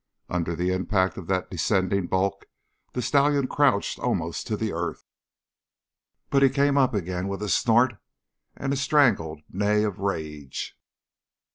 Under the impact of that descending bulk the stallion crouched almost to the earth, but he came up again with a snort and a strangled neigh of rage.